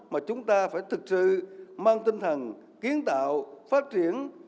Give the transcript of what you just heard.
mà chúng ta phải thực sự mang tinh thần kiến tạo phát triển